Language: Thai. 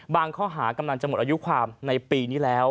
ข้อหากำลังจะหมดอายุความในปีนี้แล้ว